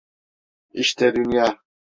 İşte dünya…